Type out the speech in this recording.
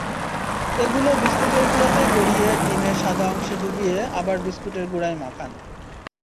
এগুলো বিস্কুটের গুঁড়াতে গড়িয়ে ডিমের সাদা অংশে ডুবিয়ে আবার বিস্কুটের গুঁড়ায় মাখান।